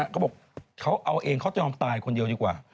เขาบอกเขาเอาเองเขาจะยอมตายคนเดียวดีกว่า